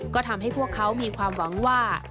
ก็ทำให้พวกเขามีความหวังว่า